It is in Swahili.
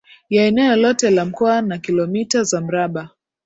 ya eneo lote la Mkoa na kilomita za mraba